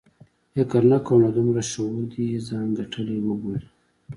فکر نه کوم له دومره شعور دې یې ځان ګټلی وبولي.